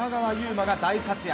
馬が大活躍。